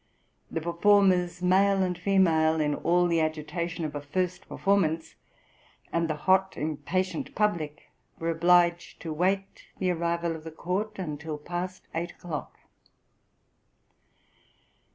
The performers, male and female, in all the agitation of a first performance, and the hot impatient public were obliged to wait the arrival of the court until past eight o'clock.